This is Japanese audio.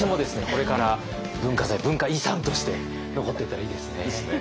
これから文化財文化遺産として残っていったらいいですね。